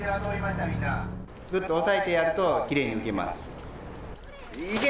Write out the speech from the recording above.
ぐっと押さえてやるときれいに浮けます。